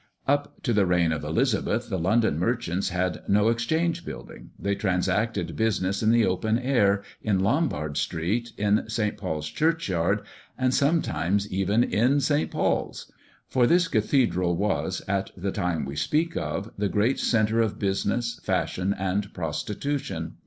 Up to the reign of Elizabeth, the London merchants had no Exchange building; they transacted business in the open air, in Lombard Street, in St. Paul's Church yard, and sometimes even in St. Paul's; for this cathedral was, at the time we speak of, the great centre of business, fashion, and prostitution.